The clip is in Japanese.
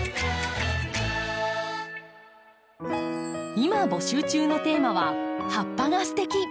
今募集中のテーマは「葉っぱがステキ！」。